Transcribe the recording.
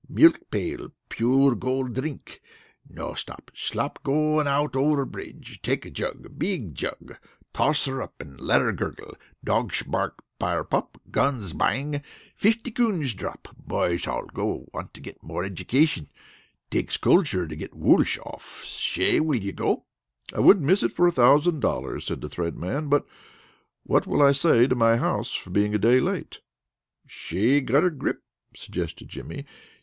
Milk pail pure gold drink. No stop, slop out going over bridge. Take jug. Big jug. Toss her up an' let her gurgle. Dogsh bark. Fire pop. Guns bang. Fifty coons drop. Boysh all go. Want to get more education. Takes culture to get woolsh off. Shay, will you go?" "I wouldn't miss it for a thousand dollars," said the Thread Man. "But what will I say to my house for being a day late?" "Shay gotter grip," suggested Jimmy.